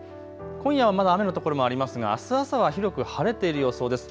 今夜まだ雨の所もありますがあす朝は広く晴れている予想です。